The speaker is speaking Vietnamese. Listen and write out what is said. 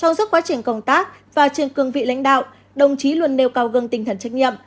trong giấc quá trình công tác và trường cường vị lãnh đạo đồng chí luôn nêu cao gương tinh thần trách nhiệm